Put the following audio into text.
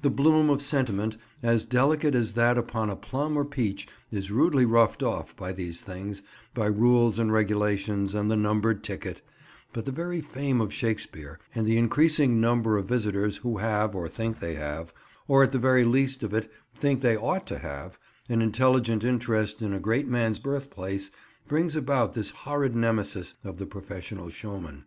The bloom of sentiment, as delicate as that upon a plum or peach, is rudely rubbed off by these things, by rules and regulations and the numbered ticket; but the very fame of Shakespeare and the increasing number of visitors who have, or think they have—or at the very least of it think they ought to have—an intelligent interest in a great man's birthplace brings about this horrid nemesis of the professional showman.